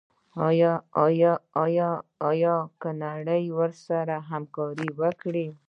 آیا که نړۍ ورسره همکاري وکړي؟